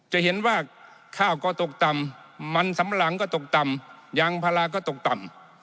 จะเห็นว่าข้าวก็ตกต่ำมันสำหลังก็ตกต่ำยางพาราก็ตกต่ำ